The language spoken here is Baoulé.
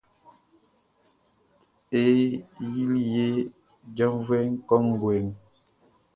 Ye yili ye jaʼnvuɛʼm kɔnguɛ.